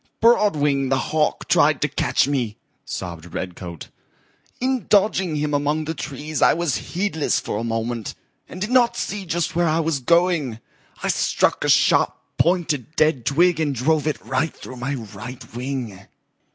"Broadwing the Hawk tried to catch me," sobbed Redcoat. "In dodging him among the trees I was heedless for a moment and did not see just where I was going. I struck a sharp pointed dead twig and drove it right through my right wing."